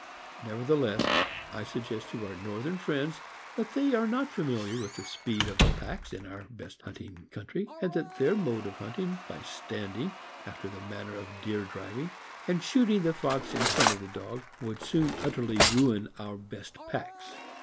Nevertheless, I suggest to our Northern friends that they are not familiar with the speed of the packs in our best hunting country, and that their mode of hunting by standing, after the manner of deer driving, and shooting the fox in front of the dog, would soon utterly ruin our best packs.